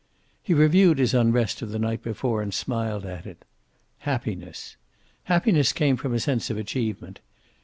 He reviewed his unrest of the night before, and smiled at it. Happiness. Happiness came from a sense of achievement.